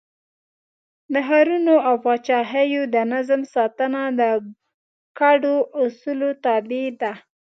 د ښارونو او پاچاهیو د نظم ساتنه د ګډو اصولو تابع ده.